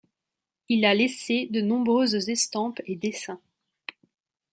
Il a laissé de nombreuses estampes et dessins.